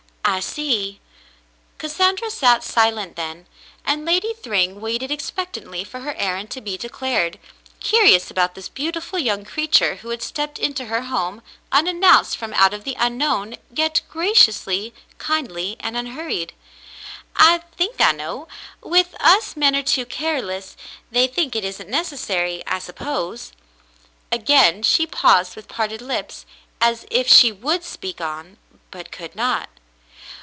"I see." Cassandra sat silent then, and Lady Thrjmg waited expectantly for her errand to be declared, curious about this beautiful young creature who had stepped into her home unannounced from out of the unknown, yet graciously kindly and unhurried. " I think I know. With us men are too careless. They think it isn't necessary, I suppose." Again she paused with parted lips, as if she would speak on, but could not.